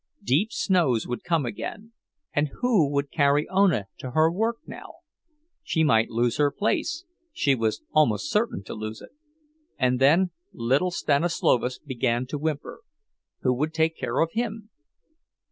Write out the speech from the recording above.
Deep snows would come again, and who would carry Ona to her work now? She might lose her place—she was almost certain to lose it. And then little Stanislovas began to whimper—who would take care of him?